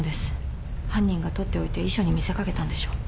犯人が取っておいて遺書に見せかけたんでしょう。